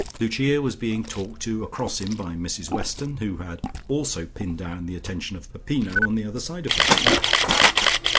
Lucia was being talked to across him by Mrs Weston, who had also pinned down the attention of Peppino on the other side of her.